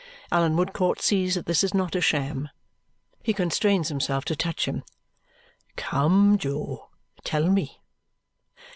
Allan Woodcourt sees that this is not a sham. He constrains himself to touch him. "Come, Jo. Tell me."